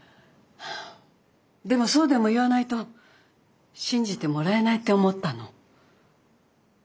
でもそうでも言わないと信じてもらえないって思ったの。